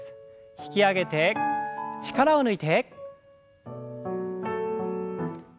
引き上げて力を抜いて。